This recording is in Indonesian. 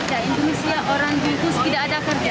indonesia orang jukus tidak ada kerja